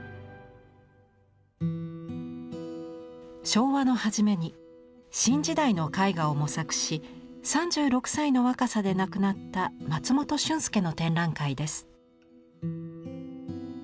昭和の初めに新時代の絵画を模索し３６歳の若さで亡くなった松本竣介の展覧会です。